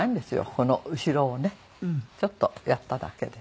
ここの後ろをねちょっとやっただけで。